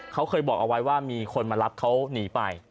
เขาเคยบอกเอาไว้ว่ามีคนมารับเขาหนีไป